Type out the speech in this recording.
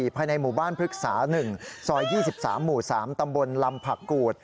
ภายในหมู่บ้านพฤกษา๑ซอย๒๓หมู่๓ตำบลลำผักกูด